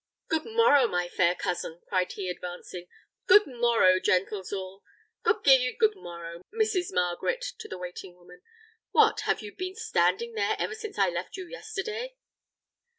"Good morrow, my fair cousin!" cried he, advancing: "good morrow, gentles all; God gi'ye good morrow, Mrs. Margaret," to the waiting woman; "what, have you been standing there ever since I left you yesterday?"